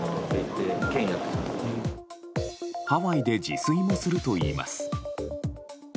ハワイで自炊をするといいます。